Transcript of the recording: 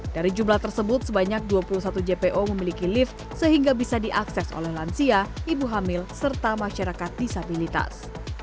dari jumlah tersebut sebanyak dua puluh satu jpo memiliki lift sehingga bisa diakses oleh lansia ibu hamil serta masyarakat disabilitas